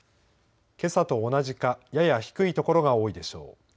けさと同じかやや低い所が多いでしょう。